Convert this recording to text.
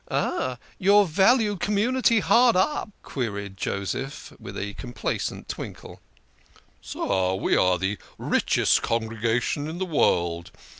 "Aha! your vaunted community hard up?" queried Joseph, with a complacent twinkle. " Sir ! We are the richest congregation in the world.